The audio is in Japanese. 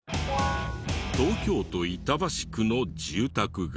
東京都板橋区の住宅街。